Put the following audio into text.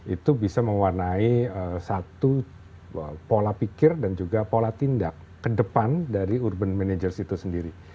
itu bisa mewarnai satu pola pikir dan juga pola tindak ke depan dari urban managers itu sendiri